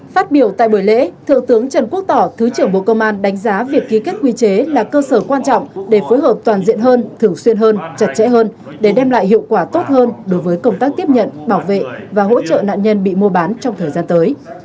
phát biểu tại buổi lễ thượng tướng trần quốc tỏ thứ trưởng bộ công an đánh giá việc ký kết quy chế là cơ sở quan trọng để phối hợp toàn diện hơn thường xuyên hơn chặt chẽ hơn để đem lại hiệu quả tốt hơn đối với công tác tiếp nhận bảo vệ và hỗ trợ nạn nhân bị mua bán trong thời gian tới